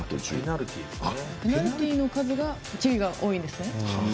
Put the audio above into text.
ペナルティの数がチリが多いんですね。